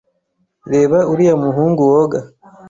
Reba uriya muhungu woga.